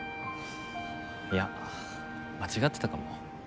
いや間違ってたかも。